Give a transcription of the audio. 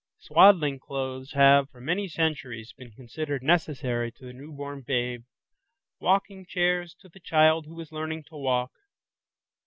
Swaddling clothes have for many centuries been considered necessary to the new born babe, walking chairs to the child who is learning to walk.